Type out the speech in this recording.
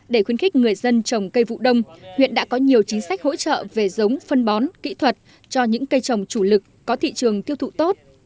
để khuyến khích người dân trồng cây vụ đông huyện đã có nhiều chính sách hỗ trợ về giống phân bón kỹ thuật cho những cây trồng chủ lực có thị trường tiêu thụ tốt